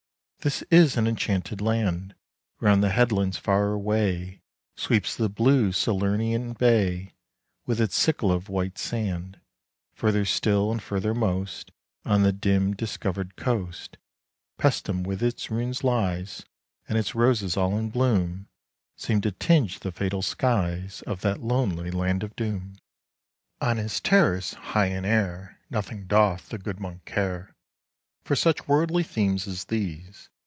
60 This is an enchanted land! Round the headlands far away Sweeps the blue Salernian bay With its sickle of white sand: Further still and furthermost 65 On the dim discovered coast Paestum with its ruins lies, And its roses all in bloom Seem to tinge the fatal skies Of that lonely land of doom. 70 On his terrace, high in air, Nothing doth the good monk care For such worldly themes as these.